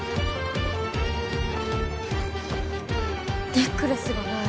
ネックレスがない。